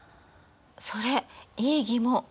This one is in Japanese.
それいい疑問！